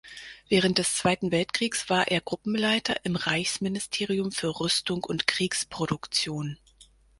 Während des Zweiten Weltkriegs war er Gruppenleiter im Reichsministerium für Rüstung und Kriegsproduktion.